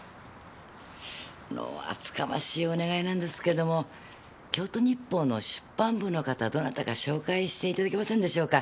あの厚かましいお願いなんですけれども京都日報の出版部の方どなたか紹介していただけませんでしょうか？